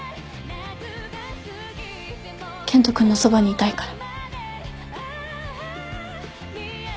健人君のそばにいたいから。